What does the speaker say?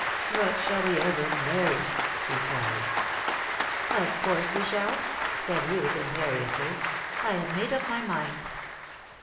But shall we ever marry?" he sighed. "Of course we shall," said Ruth, imperiously. "I have made up my mind."